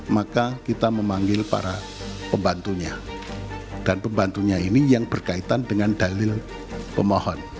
maka kita memanggil para pembantunya dan pembantunya ini yang berkaitan dengan dalil pemohon